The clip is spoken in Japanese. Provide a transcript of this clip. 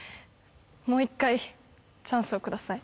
もう一回チャンスを下さい